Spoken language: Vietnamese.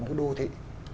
của đô thị